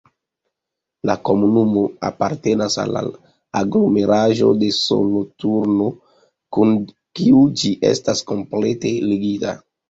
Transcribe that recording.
La komunumo apartenas al la aglomeraĵo de Soloturno, kun kiu ĝi estas komplete ligita.